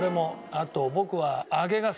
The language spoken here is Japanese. あと僕は。